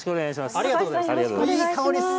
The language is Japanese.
ありがとうございます。